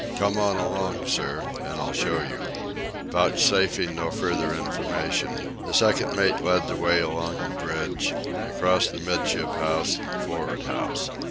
Come on along, sir, and I'll show you." Vouchsafing no further information, the second mate led the way along the bridge, across the 'midship house and the for'ard house.